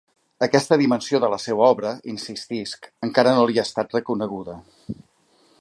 Aquesta dimensió de la seua obra, insistisc, encara no li ha estat reconeguda.